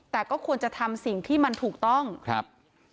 แต่ก็ควรจะทำสิ่งที่มันถูกต้องครับ